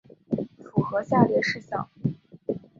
符合下列事项